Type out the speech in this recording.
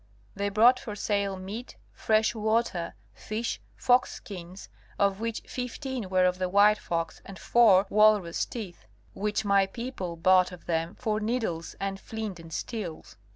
They brought for sale meat, fresh water, fish, fox skins, of which fifteen were of the white fox, and four walrus teeth, which my people bought of them for needles and flint and steels.